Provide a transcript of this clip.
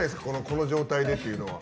この状態でっていうのは。